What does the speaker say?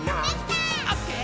「オッケー！